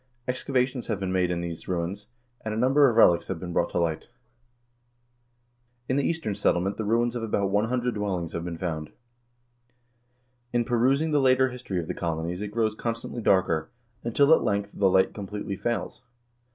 Ex cavations have been made in these ruins, and a number of relics have been brought to light.1 In the Eastern Settlement the ruins of about 100 dwellings have been found. In perusing the later history of the colonies it grows constantly darker, until, at length, the light completely fails.